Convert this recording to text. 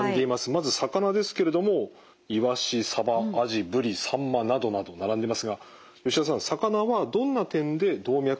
まず魚ですけれどもイワシサバアジブリサンマなどなど並んでいますが吉田さん魚はどんな点で動脈硬化予防にいいんでしょうか？